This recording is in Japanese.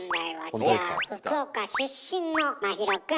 じゃあ福岡出身の真宙くん。